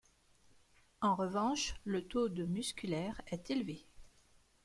En revanche, le taux de musculaire est élevé.